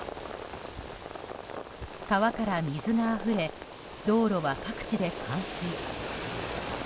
川から水があふれ道路は各地で冠水。